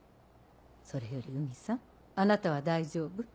それより海さんあなたは大丈夫？